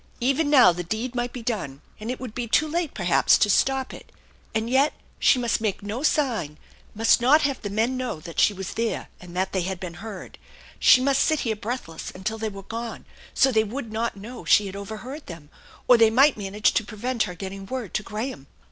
Even now the deed might be done and it would be too late, perhaps, to stop it. And yet she must make no sign, must not have the men know that she THE ENCHANTED BARN 183 was there and that they had been heard. She must sit here breathless until they were gone, so they would not know she had overheard them, or they might manage to prevent her getting word to Graham.